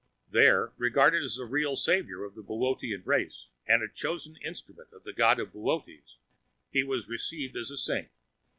There, regarded as the real savior of the Boötean race, and a chosen instrument of the God of Boötes, he was received as a saint.